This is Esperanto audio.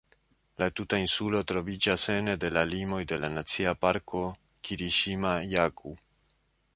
La tuta insulo troviĝas ene de la limoj de la Nacia Parko "Kiriŝima-Jaku".